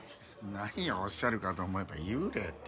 何をおっしゃるかと思えば幽霊ってハハッ。